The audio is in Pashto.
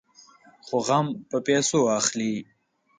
خو غم په پيسو اخلي.